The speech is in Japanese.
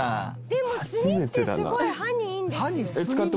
「でも炭ってすごい歯にいいんです」